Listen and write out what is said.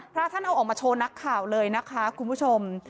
พระท่านเอาออกมาโชว์นักข่าวเลยนะคะคุณผู้ชม